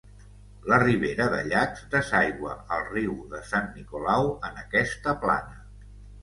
La Ribera de Llacs desaigua al Riu de Sant Nicolau en aquesta plana.